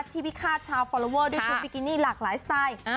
พิฆาตชาวฟอลลอเวอร์ด้วยชุดบิกินี่หลากหลายสไตล์